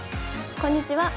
こんにちは。